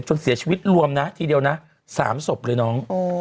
จนเสียชีวิตรวมนะทีเดียวนะ๓ศพเลยน้อง